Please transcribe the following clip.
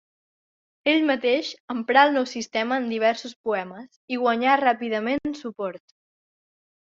Ell mateix emprà el nou sistema en diversos poemes i guanyà ràpidament suport.